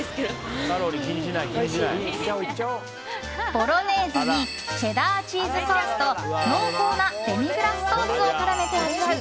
ボロネーゼにチェダーチーズソースと濃厚なデミグラスソースとを絡めて味わう。